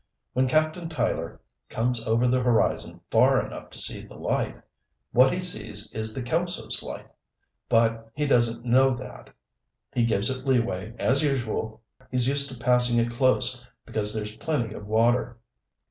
When Captain Tyler comes over the horizon far enough to see the light, what he sees is the Kelsos' light. But he doesn't know that. He gives it leeway as usual; he's used to passing it close because there's plenty of water.